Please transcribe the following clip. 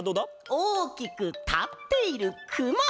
おおきくたっているくま！